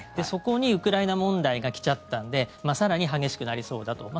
そこにウクライナ問題が来ちゃったので更に激しくなりそうだと。